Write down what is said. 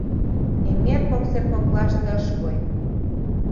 Эҥер кок сер коклаште ыш кой.